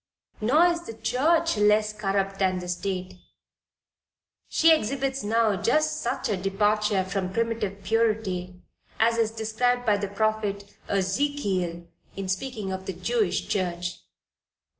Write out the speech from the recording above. Nor is the church less corrupt than the state, she exhibits now just such a departure from primitive purity as is described by the prophet Ezekiel in speaking of the Jewish Church.